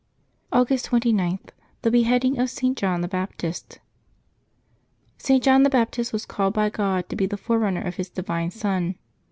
August 29.— THE BEHEADING OF ST. JOHN THE BAPTIST. 't. John the Baptist was called by God to be the forerunner of His divine Son.